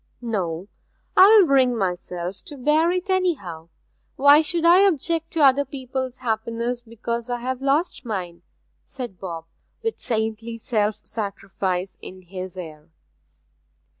'No I'll bring myself to bear it, anyhow! Why should I object to other people's happiness because I have lost my own?' said Bob, with saintly self sacrifice in his air.